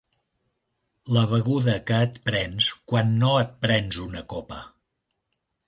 La beguda que et prens quan no et prens una copa.